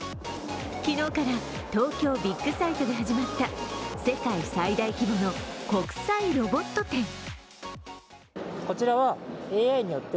昨日から、東京ビッグサイトで始まった世界最大規模の国際ロボット展。